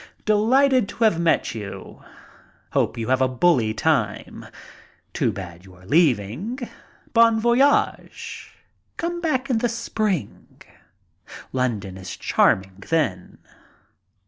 "Delighted to have met you. Hope you have a bully time. Too bad you are leaving. Bon voyage. Come back in the spring. London is charming then.